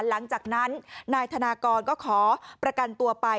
หลังจากนั้นนายธนากรก็ขอประกันตัวไป